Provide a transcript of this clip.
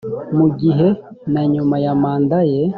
mu gihe na nyuma ya manda ye